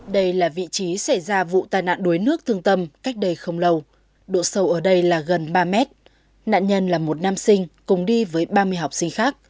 đây là vị trí xảy ra vụ tai nạn đuối nước thương tâm cách đây không lâu độ sâu ở đây là gần ba mét nạn nhân là một nam sinh cùng đi với ba mươi học sinh khác